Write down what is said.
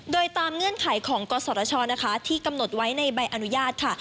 โดยตามเงื่อนไขของกศชนะคะที่กำหนดไว้ในใบอนุญาตค่ะ